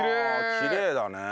きれいだね。